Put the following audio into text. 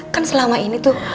kan selama ini tuh